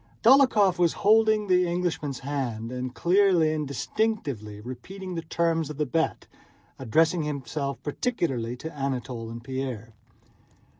Dólokhov was holding the Englishman's hand and clearly and distinctly repeating the terms of the bet, addressing himself particularly to Anatole and Pierre.